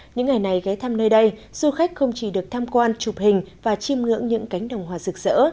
những ngày này ghé thăm nơi đây du khách không chỉ được tham quan chụp hình và chiêm ngưỡng những cánh đồng hòa rực rỡ